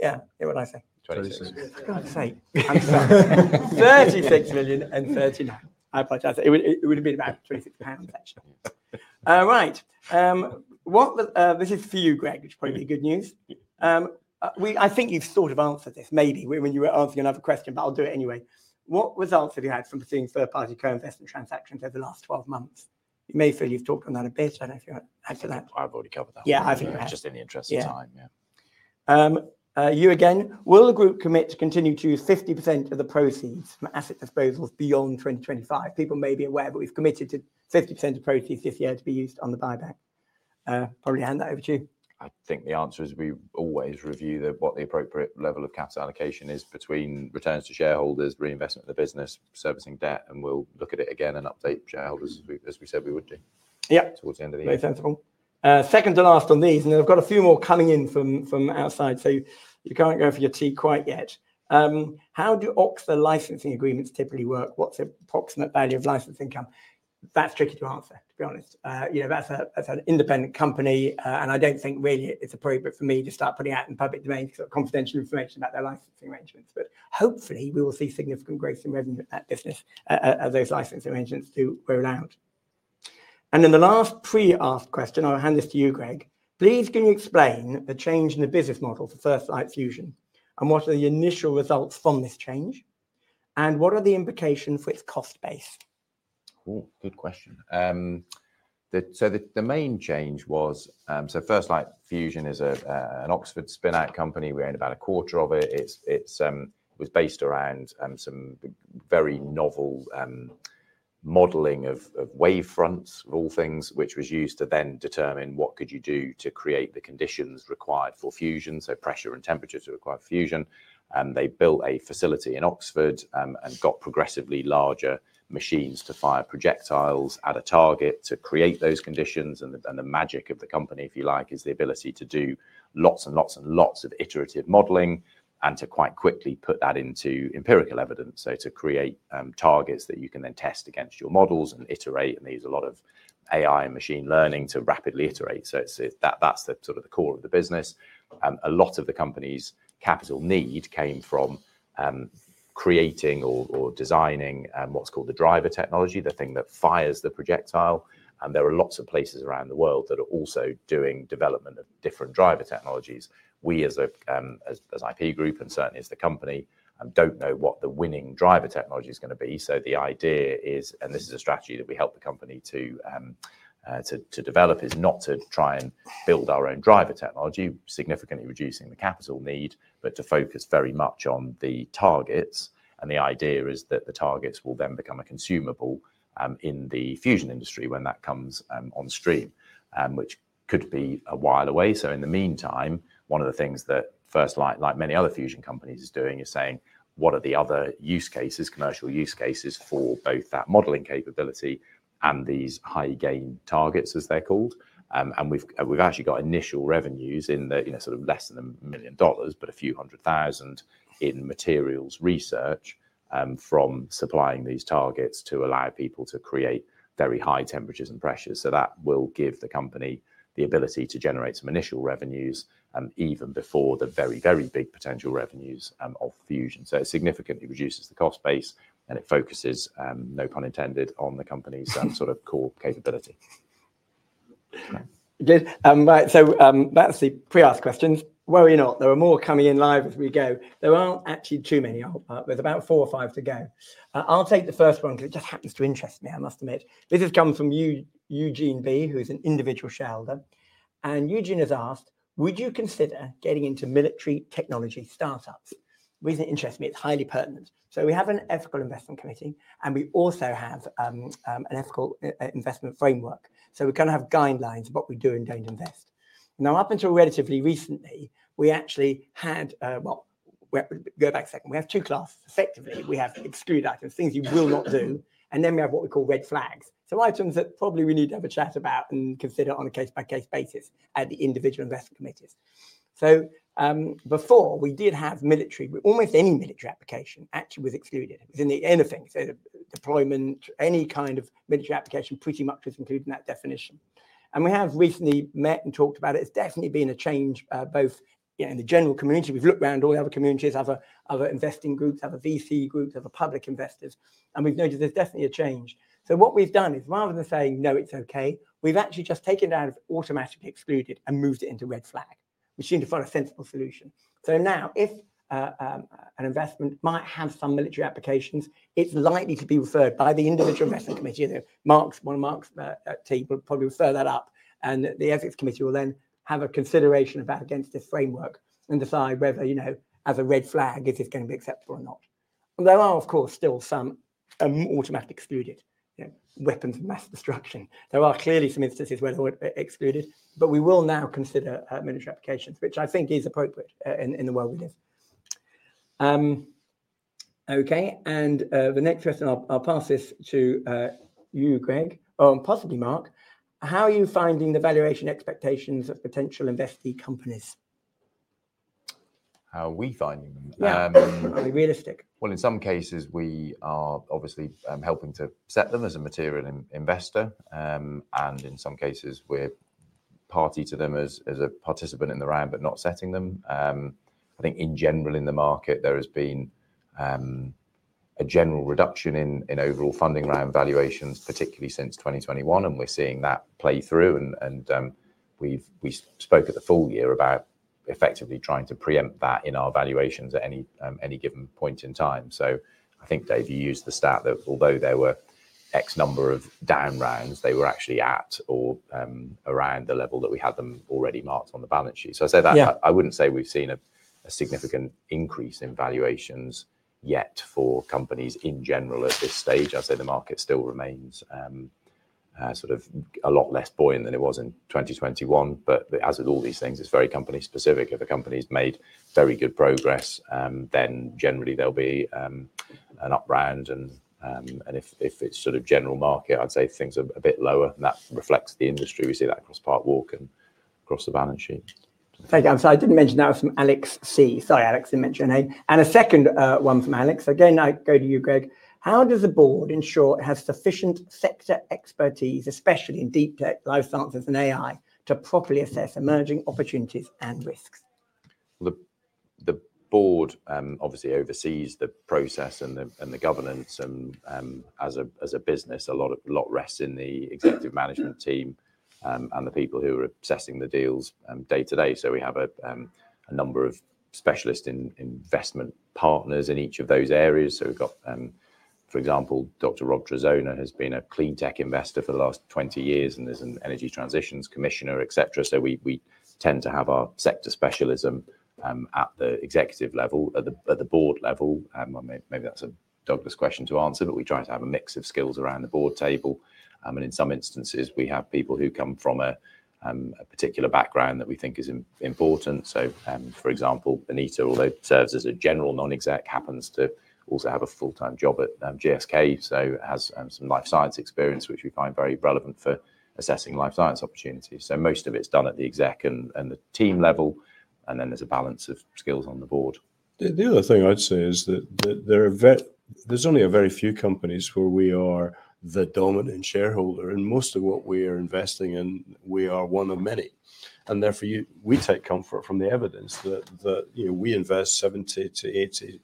Yeah, what did I say? 36. I'm sorry. $36 million and $39 million. I apologize. It would have been about 26 million pounds, actually. All right. This is for you, Greg, which is probably good news. I think you've sort of answered this maybe when you were answering another question, but I'll do it anyway. What was the answer you had from seeing third-party co-investment transactions over the last 12 months? You may feel you've talked on that a bit. I don't know if you had to answer that. I've already covered that one. Yeah, I think we have. Just in the interest of time, yeah. You again. Will the group commit to continue to use 50% of the proceeds from asset disposals beyond 2025? People may be aware, but we've committed to 50% of proceeds this year to be used on the buyback. Probably hand that over to you. I think the answer is we always review what the appropriate level of capital allocation is between returns to shareholders, reinvestment in the business, servicing debt, and we'll look at it again and update shareholders, as we said we would do towards the end of the year. Yeah, very sensible. Second to last on these, and then I've got a few more coming in from outside. You can't go for your tea quite yet. How do Oxa licensing agreements typically work? What's the approximate value of licensing income? That's tricky to answer, to be honest. That's an independent company, and I don't think really it's appropriate for me to start putting out in public domain sort of confidential information about their licensing arrangements. Hopefully, we will see significant growth in revenue at that business, at those licensing arrangements too where allowed. The last pre-asked question, I'll hand this to you, Greg. Please can you explain the change in the business model for First Light Fusion? What are the initial results from this change? What are the implications for its cost base? Ooh, good question. The main change was, so First Light Fusion is an Oxford spin-out company. We own about a quarter of it. It was based around some very novel modeling of wavefronts of all things, which was used to then determine what could you do to create the conditions required for fusion, so pressure and temperature to require fusion. They built a facility in Oxford and got progressively larger machines to fire projectiles at a target to create those conditions. The magic of the company, if you like, is the ability to do lots and lots and lots of iterative modeling and to quite quickly put that into empirical evidence, to create targets that you can then test against your models and iterate. There is a lot of AI and machine learning to rapidly iterate. That is sort of the core of the business. A lot of the company's capital need came from creating or designing what's called the driver technology, the thing that fires the projectile. There are lots of places around the world that are also doing development of different driver technologies. We, as an IP Group and certainly as the company, don't know what the winning driver technology is going to be. The idea is, and this is a strategy that we help the company to develop, is not to try and build our own driver technology, significantly reducing the capital need, but to focus very much on the targets. The idea is that the targets will then become consumable in the fusion industry when that comes on stream, which could be a while away. In the meantime, one of the things that First Light, like many other fusion companies, is doing is saying, what are the other use cases, commercial use cases for both that modeling capability and these high-gain targets, as they're called? We've actually got initial revenues in sort of less than $1 million, but a few hundred thousand in materials research from supplying these targets to allow people to create very high temperatures and pressures. That will give the company the ability to generate some initial revenues even before the very, very big potential revenues of fusion. It significantly reduces the cost base and it focuses, no pun intended, on the company's sort of core capability. Good. Right, so that's the pre-asked questions. Worry not. There are more coming in live as we go. There aren't actually too many. There's about four or five to go. I'll take the first one because it just happens to interest me, I must admit. This has come from Eugene B, who is an individual shareholder. And Eugene has asked, would you consider getting into military technology startups? Reason it interests me, it's highly pertinent. We have an ethical investment committee and we also have an ethical investment framework. We kind of have guidelines of what we do and don't invest. Now, up until relatively recently, we actually had, well, go back a second. We have two classes. Effectively, we have excluded items, things you will not do. And then we have what we call red flags. Items that probably we need to have a chat about and consider on a case-by-case basis at the individual investment committees. Before, we did have military, almost any military application actually was excluded. It was in the inner thing. Deployment, any kind of military application pretty much was included in that definition. We have recently met and talked about it. It's definitely been a change both in the general community. We've looked around all the other communities, other investing groups, other VC groups, other public investors. We've noticed there's definitely a change. What we've done is rather than saying, no, it's okay, we've actually just taken it out of automatically excluded and moved it into red flag, which seemed to find a sensible solution. Now, if an investment might have some military applications, it's likely to be referred by the individual investment committee. Mark's one of Mark's team will probably refer that up. The ethics committee will then have a consideration about against this framework and decide whether, as a red flag, is this going to be acceptable or not. There are, of course, still some automatically excluded weapons of mass destruction. There are clearly some instances where they're excluded, but we will now consider military applications, which I think is appropriate in the world we live. Okay, the next question, I'll pass this to you, Greg, or possibly Mark. How are you finding the valuation expectations of potential investee companies? How are we finding them? Are we realistic? In some cases, we are obviously helping to set them as a material investor. In some cases, we're party to them as a participant in the round, but not setting them. I think in general, in the market, there has been a general reduction in overall funding around valuations, particularly since 2021. We're seeing that play through. We spoke at the full year about effectively trying to preempt that in our valuations at any given point in time. I think, Dave, you used the stat that although there were X number of down rounds, they were actually at or around the level that we had them already marked on the balance sheet. I would not say we've seen a significant increase in valuations yet for companies in general at this stage. I say the market still remains sort of a lot less buoyant than it was in 2021. As with all these things, it's very company specific. If a company has made very good progress, then generally there'll be an up round. If it's sort of general market, I'd say things are a bit lower. That reflects the industry. We see that across Parkwalk and across the balance sheet. Thank you. I'm sorry, I didn't mention that was from Alex C. Sorry, Alex didn't mention her name. A second one from Alex. Again, I go to you, Greg. How does the board ensure it has sufficient sector expertise, especially in deep tech, life sciences, and AI, to properly assess emerging opportunities and risks? The board obviously oversees the process and the governance. As a business, a lot rests in the executive management team and the people who are assessing the deals day to day. We have a number of specialist investment partners in each of those areas. For example, Dr. Rob Trezona has been a clean tech investor for the last 20 years and is an energy transitions commissioner, etc. We tend to have our sector specialism at the executive level, at the board level. Maybe that is a Douglas question to answer, but we try to have a mix of skills around the board table. In some instances, we have people who come from a particular background that we think is important. For example, Anita, although serves as a general non-exec, happens to also have a full-time job at GSK, so has some life science experience, which we find very relevant for assessing life science opportunities. Most of it is done at the exec and the team level. There is a balance of skills on the board. The other thing I'd say is that there are very, there's only a very few companies where we are the dominant shareholder. Most of what we are investing in, we are one of many. Therefore, we take comfort from the evidence that we invest 70 million-80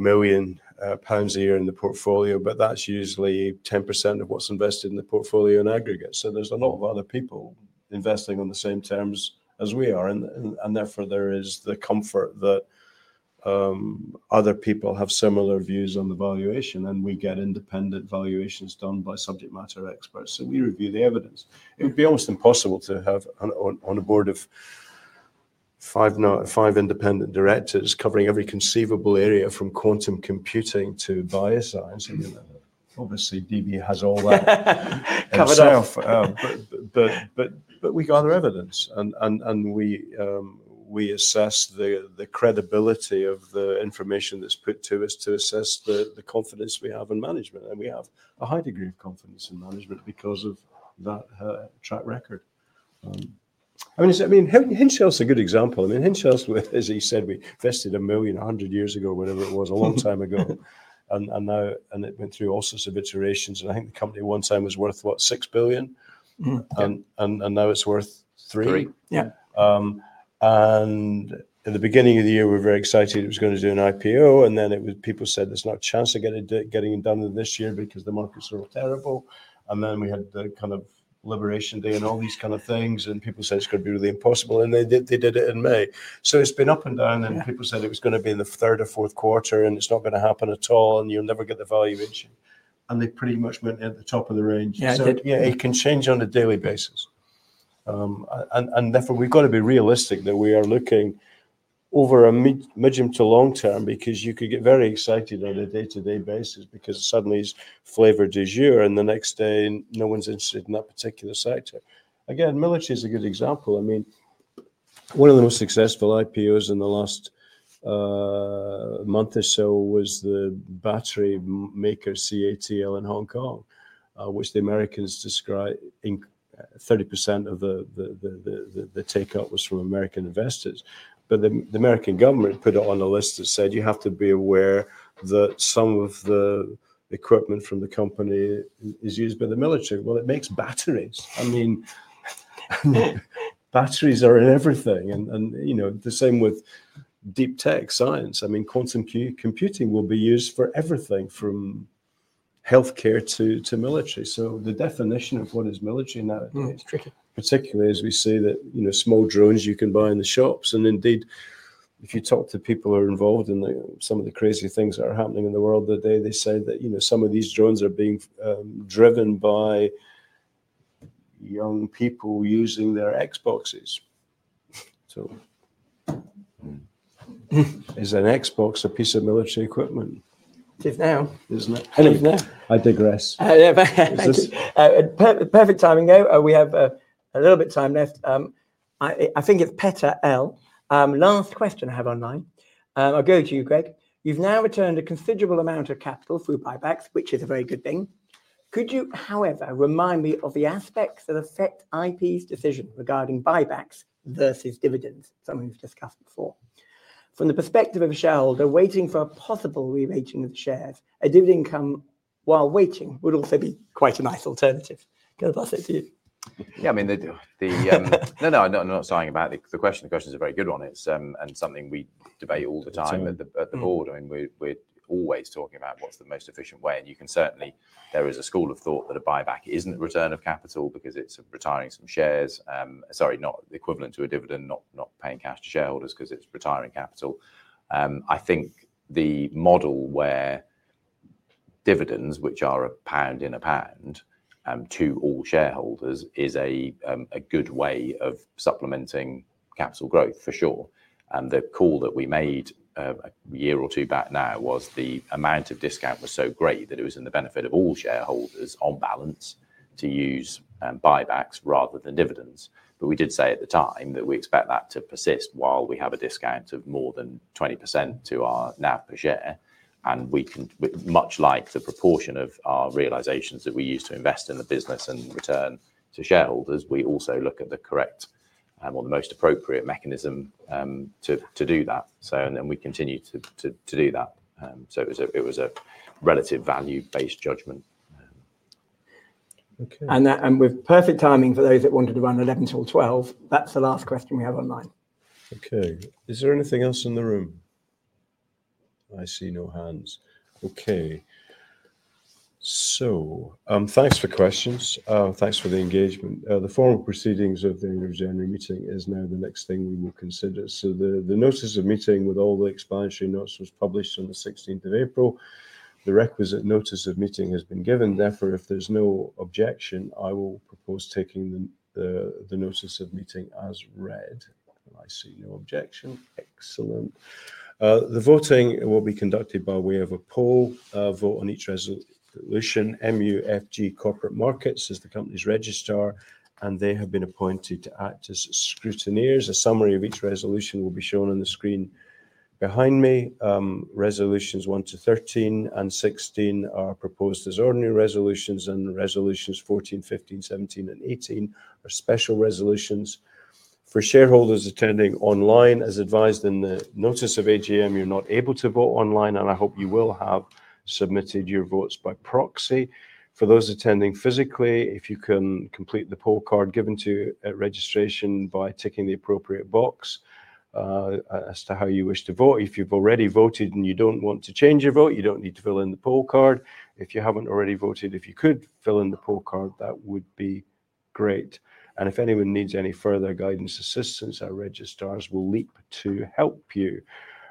million pounds a year in the portfolio, but that's usually 10% of what's invested in the portfolio in aggregate. There's a lot of other people investing on the same terms as we are. Therefore, there is the comfort that other people have similar views on the valuation, and we get independent valuations done by subject matter experts. We review the evidence. It would be almost impossible to have on a board of five independent directors covering every conceivable area from quantum computing to bioscience. Obviously, DB has all that covered up. We gather evidence. We assess the credibility of the information that's put to us to assess the confidence we have in management. We have a high degree of confidence in management because of that track record. I mean, Hinge Health is a good example. I mean, Hinge Health, as he said, we invested $1 million a hundred years ago, whatever it was, a long time ago. It went through all sorts of iterations. I think the company at one time was worth, what, $6 billion? Now it's worth $3 billion. $3 billion. Yeah. At the beginning of the year, we were very excited. It was going to do an IPO. People said, there's no chance of getting it done this year because the market's so terrible. We had the kind of liberation day and all these kind of things. People said it's going to be really impossible. They did it in May. It has been up and down. People said it was going to be in the third or fourth quarter, and it's not going to happen at all, and you'll never get the valuation. They pretty much went at the top of the range. Yeah, it did. Yeah, it can change on a daily basis. Therefore, we've got to be realistic that we are looking over a medium to long term because you could get very excited on a day-to-day basis because suddenly it's flavor du jour, and the next day, no one's interested in that particular sector. Again, military is a good example. I mean, one of the most successful IPOs in the last month or so was the battery maker CATL in Hong Kong, which the Americans described 30% of the takeout was from American investors. The American government put it on a list that said, you have to be aware that some of the equipment from the company is used by the military. I mean, it makes batteries. Batteries are in everything. The same with deep tech science. I mean, quantum computing will be used for everything from healthcare to military. The definition of what is military nowadays, particularly as we see that small drones you can buy in the shops. Indeed, if you talk to people who are involved in some of the crazy things that are happening in the world today, they say that some of these drones are being driven by young people using their Xboxes. Is an Xbox a piece of military equipment? It is now, isn't it? It is now. I digress. Perfect timing, Gabe. We have a little bit of time left. I think it is Petra L. Last question I have online. I will go to you, Greg. You have now returned a considerable amount of capital through buybacks, which is a very good thing. Could you, however, remind me of the aspects that affect IP's decision regarding buybacks versus dividends, something we have discussed before? From the perspective of a shareholder waiting for a possible re-rating of the shares, a dividend come while waiting would also be quite a nice alternative. Go past it to you. Yeah, I mean, no, I'm not saying about the question. The question is a very good one. It's something we debate all the time at the board. I mean, we're always talking about what's the most efficient way. You can certainly, there is a school of thought that a buyback isn't return of capital because it's retiring some shares, sorry, not equivalent to a dividend, not paying cash to shareholders because it's retiring capital. I think the model where dividends, which are a pound in a pound to all shareholders, is a good way of supplementing capital growth, for sure. The call that we made a year or two back now was the amount of discount was so great that it was in the benefit of all shareholders on balance to use buybacks rather than dividends. We did say at the time that we expect that to persist while we have a discount of more than 20% to our NAV per share. Much like the proportion of our realizations that we use to invest in the business and return to shareholders, we also look at the correct or the most appropriate mechanism to do that. We continue to do that. It was a relative value-based judgment. With perfect timing for those that wanted to run 11 till 12, that's the last question we have online. Okay. Is there anything else in the room? I see no hands. Okay. Thanks for questions. Thanks for the engagement. The formal proceedings of the interim meeting is now the next thing we will consider. The notice of meeting with all the expansion notes was published on the 16th of April. The requisite notice of meeting has been given. Therefore, if there is no objection, I will propose taking the notice of meeting as read. I see no objection. Excellent. The voting will be conducted by way of a poll. Vote on each resolution. MUFG Corporate Markets is the company's registrar. They have been appointed to act as scrutineers. A summary of each resolution will be shown on the screen behind me. Resolutions 1 to 13 and 16 are proposed as ordinary resolutions. Resolutions 14, 15, 17, and 18 are special resolutions. For shareholders attending online, as advised in the notice of AGM, you're not able to vote online. I hope you will have submitted your votes by proxy. For those attending physically, if you can complete the poll card given to you at registration by ticking the appropriate box as to how you wish to vote. If you've already voted and you don't want to change your vote, you don't need to fill in the poll card. If you haven't already voted, if you could fill in the poll card, that would be great. If anyone needs any further guidance or assistance, our registrars will leap to help you.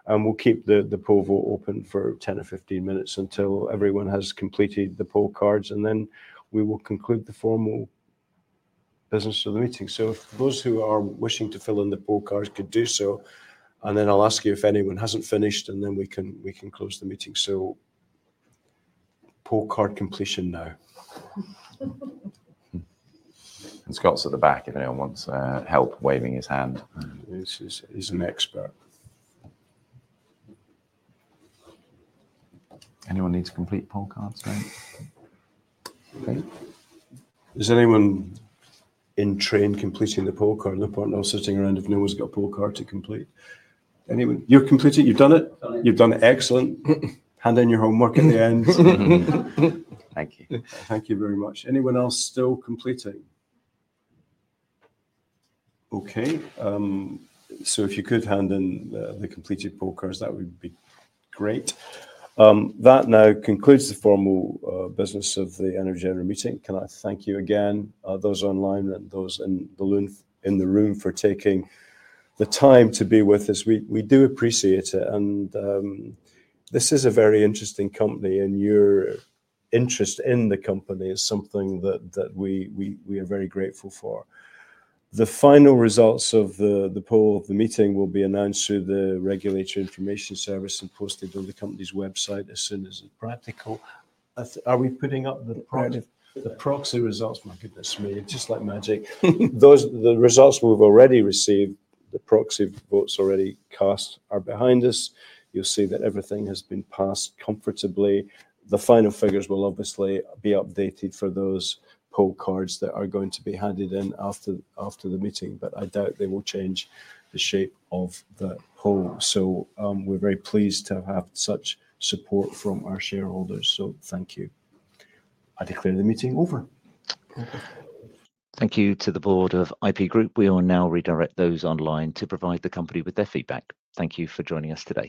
We'll keep the poll vote open for 10 or 15 minutes until everyone has completed the poll cards. We will conclude the formal business of the meeting. If those who are wishing to fill in the poll cards could do so. I'll ask you if anyone hasn't finished, and then we can close the meeting. Poll card completion now. Scott's at the back if anyone wants help, waving his hand. He's an expert. Anyone needs to complete poll cards, right? Okay. Is anyone in train completing the poll card? No point in all sitting around if no one's got a poll card to complete. You've completed it. You've done it. You've done it. Excellent. Hand in your homework at the end. Thank you. Thank you very much. Anyone else still completing? Okay. If you could hand in the completed poll cards, that would be great. That now concludes the formal business of the interim meeting. Can I thank you again, those online and those in the room, for taking the time to be with us. We do appreciate it. This is a very interesting company, and your interest in the company is something that we are very grateful for. The final results of the poll, the meeting will be announced through the regulatory information service and posted on the company's website as soon as it is practical. Are we putting up the proxy results? My goodness me, it is just like magic. The results we have already received, the proxy votes already cast, are behind us. You will see that everything has been passed comfortably. The final figures will obviously be updated for those poll cards that are going to be handed in after the meeting. I doubt they will change the shape of the poll. We are very pleased to have such support from our shareholders. Thank you. I declare the meeting over. Thank you to the board of IP Group. We will now redirect those online to provide the company with their feedback. Thank you for joining us today.